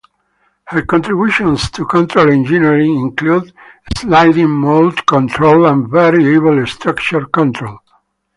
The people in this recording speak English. Her contributions to control engineering include sliding mode control and variable structure control.